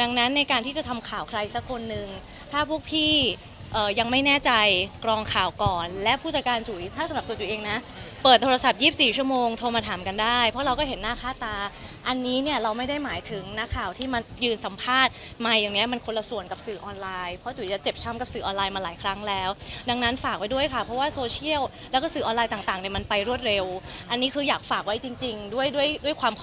ดังนั้นในการที่จะทำข่าวใครสักคนหนึ่งถ้าพวกพี่ยังไม่แน่ใจกรองข่าวก่อนและผู้จัดการถ้าสำหรับตัวตัวตัวเองนะเปิดโทรศัพท์๒๔ชั่วโมงโทรมาถามกันได้เพราะเราก็เห็นหน้าค่าตาอันนี้เนี่ยเราไม่ได้หมายถึงหน้าข่าวที่มันยืนสัมภาษณ์ไมค์อย่างนี้มันคนละส่วนกับสื่อออนไลน์เพราะตัวจะเจ็บช้ำกั